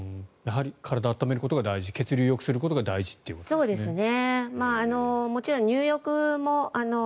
体を温めることが大事血流をよくすることが大事ということですね。